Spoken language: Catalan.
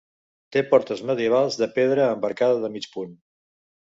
Té portes medievals de pedra amb arcada de mig punt.